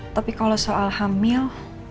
tapi kalau soal hamil